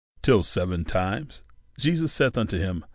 till seven times? Jesus saith unto him, I Mat.